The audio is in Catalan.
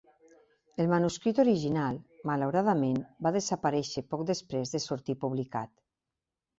El manuscrit original, malauradament, va desaparèixer poc després de sortir publicat.